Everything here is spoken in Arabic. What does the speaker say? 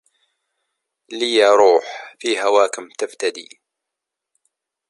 لي روح في هواكم تفتدي